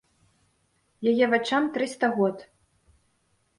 Яе вачам трыста год.